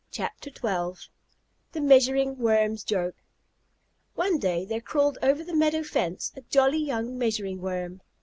THE MEASURING WORM'S JOKE One day there crawled over the meadow fence a jolly young Measuring Worm.